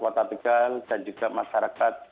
kota tegal dan juga masyarakat